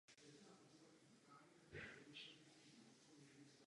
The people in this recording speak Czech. Též taky nazýván "dancing".